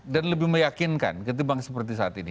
dan lebih meyakinkan ketimbang seperti saat ini